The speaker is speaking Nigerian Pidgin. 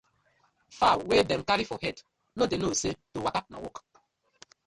Fowl wey dem carry for head no dey know say to waka na work: